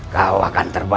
kau akan terbakar